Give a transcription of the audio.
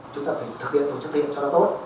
chúng ta phải thực hiện tổ chức thêm cho nó tốt